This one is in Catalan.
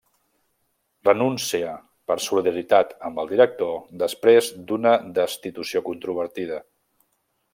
Renúncia, per solidaritat amb el director, després d'una destitució controvertida.